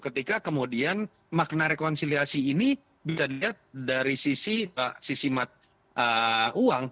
ketika kemudian makna rekonsiliasi ini bisa dilihat dari sisi uang